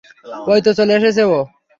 অইতো চলে এসেছে ও!